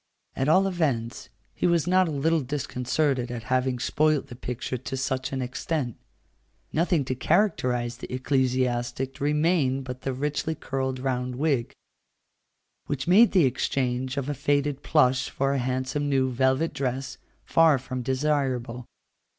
At all events, he was not a little disconcerted at having spoilt the picture to such an extent. Nothing to characterize the ecclesiastic remained but the richly curled round wig, which made the exchange of a faded plush for a handsome new velvet dress far from desirable.